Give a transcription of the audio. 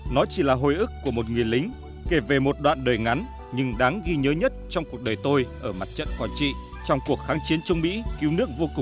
nó chỉ là hồi ức của một người lính kể về một đoạn đời ngắn nhưng đáng ghi nhớ nhất trong cuộc đời tôi ở mặt trận quảng trị trong cuộc kháng chiến trung mỹ cứu nước vô cùng